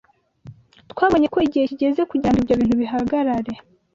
Twabonye ko igihe kigeze kugira ngo ibyo bintu bihagarare